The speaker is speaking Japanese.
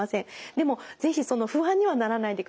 でも是非不安にはならないでください。